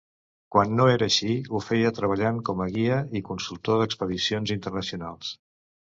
Quan no era així, ho feia treballant com a guia i consultor d'expedicions internacionals.